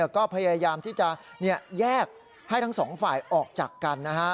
ก็พยายามที่จะแยกให้ทั้งสองฝ่ายออกจากกันนะฮะ